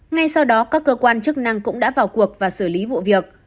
ngay sau đó các cơ quan chức năng cũng đã vào cuộc và xử lý vụ việc